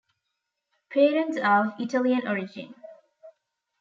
Parents are of Italian origin.